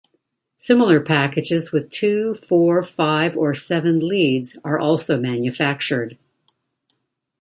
Similar packages with two, four, five or seven leads are also manufactured.